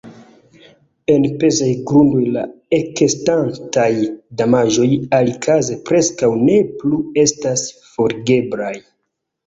En pezaj grundoj la ekestantaj damaĝoj alikaze preskaŭ ne plu estas forigeblaj.